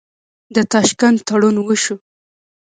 د تاشکند تړون وشو.